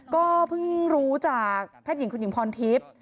ก็เพิ่งรู้จากแพทย์หญิงคุณหญิงพรทิพย์